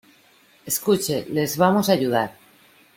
escuche, les vamos a ayudar.